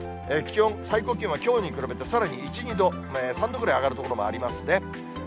気温、最高気温はきょうに比べて、さらに１、２度、３度ぐらい上がる所もありますね。